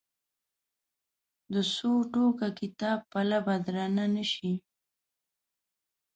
د څو ټوکه کتاب پله به درنه نه شي.